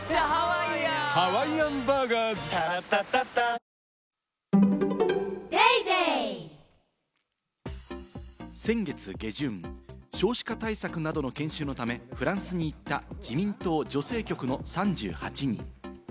香りに驚くアサヒの「颯」先月下旬、少子化対策などの研修のためフランスに行った自民党女性局の３８人。